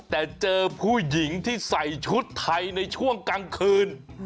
แต่เจอผู้หญิงที่ใส่ชุดไทยในช่วงกลางคืน